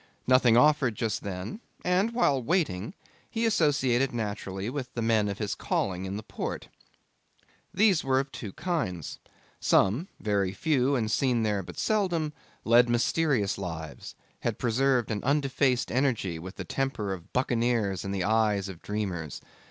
Nothing offered just then, and, while waiting, he associated naturally with the men of his calling in the port. These were of two kinds. Some, very few and seen there but seldom, led mysterious lives, had preserved an undefaced energy with the temper of buccaneers and the eyes of dreamers.